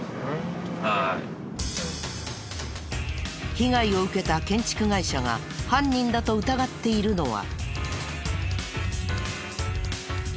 被害を受けた建築会社が犯人だと疑っているのは。